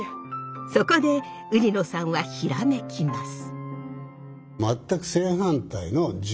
そこで売野さんはひらめきます。